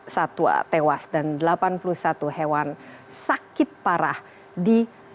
sebelas satwa tewas dan delapan puluh satu hewan sakit parah di surabaya